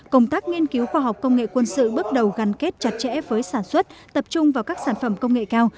công tác nghiên cứu khoa học công nghệ quân sự bước đầu gắn kết chặt chẽ với sản xuất tập trung vào các sản phẩm công nghệ cao